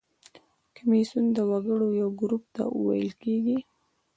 کمیسیون د وګړو یو ګروپ ته ویل کیږي.